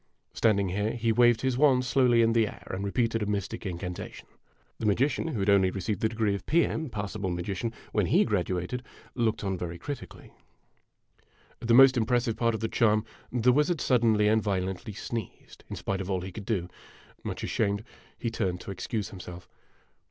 Standing here, he waved his wand slowly in the air and repeated a mystic incantation. The magician, who had only received the degree of P. M. (Passable Magician) when lie grad uated, looked on very critically. At the most impressive part of the charm, the wizard suddenly and violently sneezed, in spite of all he could do. Much ashamed, he turned to excuse himself.